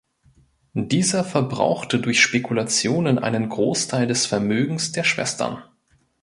Dieser verbrauchte durch Spekulationen einen Großteil des Vermögens der Schwestern.